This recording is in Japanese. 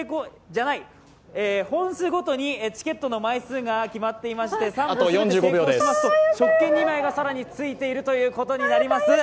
本数ごとにチケットの枚数が決まっていまして、３回全部成功すると食券２枚が更についているということになります。